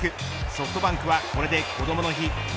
ソフトバンクはこれでこどもの日